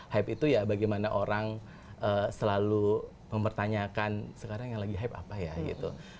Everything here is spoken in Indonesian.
hype itu ya bagaimana orang selalu mempertanyakan sekarang yang lagi hype apa ya gitu